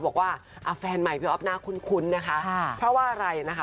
บอกว่าแฟนใหม่พี่อ๊อฟน่าคุ้นนะคะเพราะว่าอะไรนะคะ